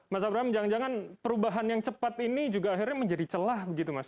mas abraham jangan jangan perubahan yang cepat ini juga akhirnya menjadi celah begitu mas